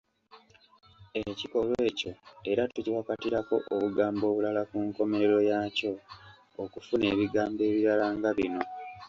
Ekikolwa ekyo era tukiwakatirako obugambo obulala ku nkomerero yaakyo okufuna ebigambo ebirala nga bino.